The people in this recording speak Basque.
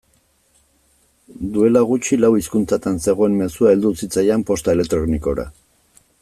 Duela gutxi lau hizkuntzatan zegoen mezua heldu zitzaidan posta elektronikora.